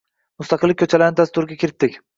Mustaqillik koʻchalarini dasturga kiritdik.